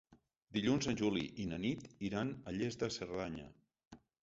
Dilluns en Juli i na Nit iran a Lles de Cerdanya.